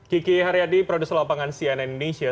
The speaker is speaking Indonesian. kiki haryadi produser lapangan cnn indonesia